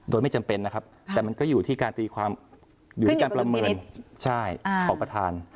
โดยไม่จำเป็นนะครับแต่มันอยู่ที่การประเมินขอบประธาน